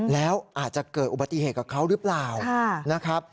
แล้วอาจจะเกิดอุบัติเหตุกับเขาหรือเปล่านะครับ